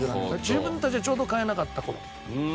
自分たちはちょうど買えなかった頃。